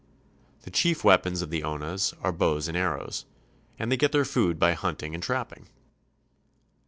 The chief weapons of the Onas are bows and arrows, and they get their food by hunting and trapping.